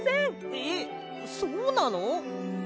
えっそうなの？